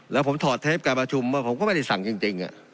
แล้วผมถอดเทปการประชุมว่าผมก็ไม่ได้สั่งจริง